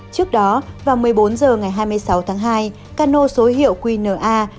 trước đó vào một mươi bốn giờ ngày hai mươi sáu tháng hai cano số hiệu qna một nghìn một trăm năm mươi hai